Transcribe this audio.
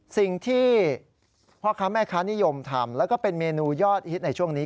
สิ่งที่พ่อค้าแม่ค้านิยมทำแล้วก็เป็นเมนูยอดฮิตในช่วงนี้